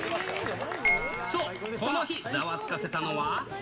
そう、この日、ざわつかせたのは。